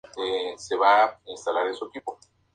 Detrás de esta casa estaba, al parecer, el cementerio.